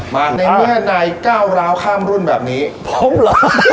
ในเมื่อนายก้าวร้าวข้ามรุ่นแบบนี้ผมเหรอ